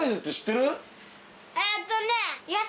えっとね。